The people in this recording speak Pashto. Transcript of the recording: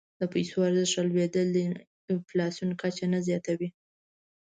د پیسو ارزښت رالوېدل د انفلاسیون کچه نه زیاتوي.